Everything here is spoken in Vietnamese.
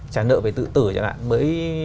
trả nợ về tự tử mới